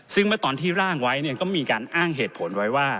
ซึ่งเมื่อตอนที่ร่างไว้เนี่ยก็มีการอ้างเหตุผลไว้ว่า